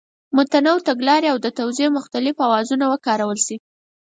متنوع تګلارې او د توضیح مختلف اوزارونه وکارول شي.